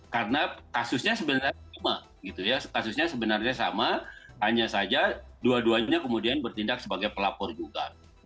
karena kasusnya sebenarnya sama hanya saja dua duanya kemudian bertindak sebagai pelapor juga